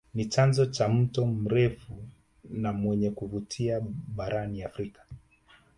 Ni chanzo cha mto mrefu na wenye kuvutia barani Afrika